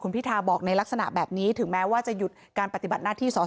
พิทาบอกในลักษณะแบบนี้ถึงแม้ว่าจะหยุดการปฏิบัติหน้าที่สอสอ